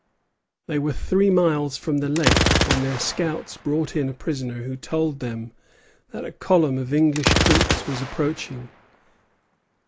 They were three miles from the lake, when their scouts brought in a prisoner who told them that a column of English troops was approaching.